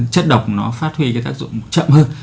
chất độc nó phát huy cái tác dụng chậm hơn